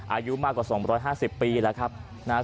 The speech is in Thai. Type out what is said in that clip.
อายุมากกว่า๒๕๐ปีแล้วครับนะครับ